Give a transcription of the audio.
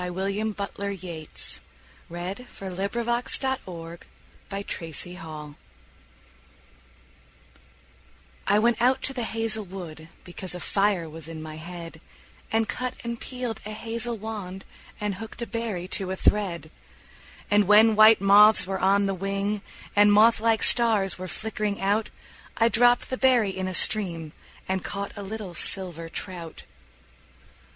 William Butler Yeats The Song of Wandering Aengus I WENT out to the hazel wood, Because a fire was in my head, And cut and peeled a hazel wand, And hooked a berry to a thread; And when white moths were on the wing, And moth like stars were flickering out, I dropped the berry in a stream And caught a little silver trout.